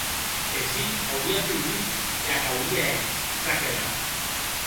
E Sid aurie vengut e ac aurie hèt, ça que la.